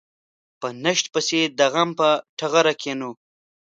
په نشت پسې د غم په ټغره کېنو.